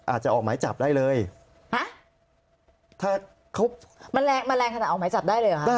อาจจะออกหมายจับได้เลยมันแรงขนาดออกหมายจับได้เลยหรอครับ